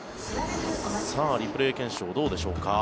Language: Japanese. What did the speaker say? リプレー検証、どうでしょうか。